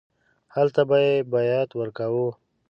هلته به یې بیعت ورکاوه.